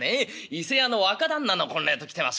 伊勢屋の若旦那の婚礼と来てますからね」。